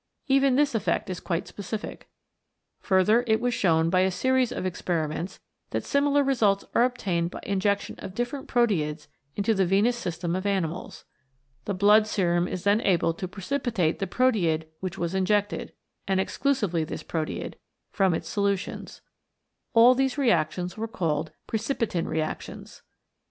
Even this effect is quite specific. Further, it was shown by a series of experiments that similar results are obtained by injection of different proteids into the venous system of animals. The blood serum is then able to precipitate the proteid which was injected, and exclusively this proteid, from its solutions. All these reactions were called Pre cipitin Reactions.